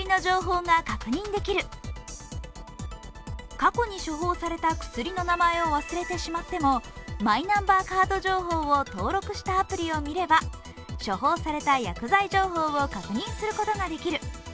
過去に処方された薬の名前を忘れてしまってもマイナンバーカード情報を登録したアプリを見れば処方された薬剤情報を確認することができる。